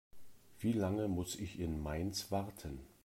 Wie lange muss ich in Mainz warten?